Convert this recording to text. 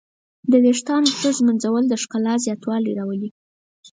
د ویښتانو ښه ږمنځول د ښکلا زیاتوالی راولي.